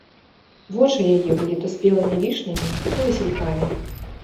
Вочы яе былі то спелымі вішнямі, то васількамі.